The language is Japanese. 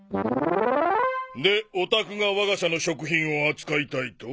でおたくが我が社の食品を扱いたいと？